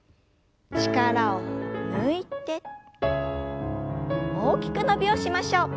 力を抜いて大きく伸びをしましょう。